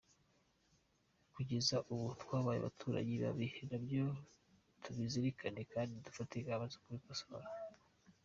Kugeza ubu twabaye abaturanyi babi, nabyo tubizirikane kandi dufate ingamba zo kubikosora.